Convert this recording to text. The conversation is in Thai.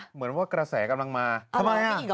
เหมือนว่ากระแสกำลังมาทำไมอ่ะ